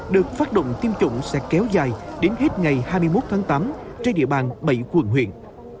được phát động tiêm chủng sẽ kéo dài đến hết ngày hai mươi một tháng tám trên địa bàn bảy quận huyện